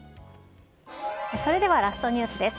それではラストニュースです。